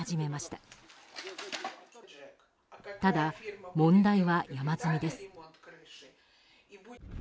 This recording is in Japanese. ただ、問題は山積みです。